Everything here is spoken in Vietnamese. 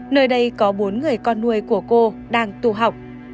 nơi đây có bốn người con nuôi của cô đang tu học